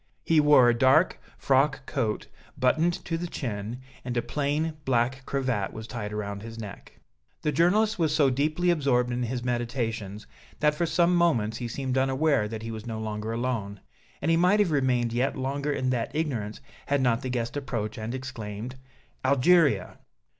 He wore a dark frock coat, buttoned to the chin, and a plain black cravat was tied around his neck. The journalist was so deeply absorbed in his meditations that for some moments he seemed unaware that he was no longer alone, and he might have remained yet longer in that ignorance had not the guest approached and exclaimed: "Algeria!"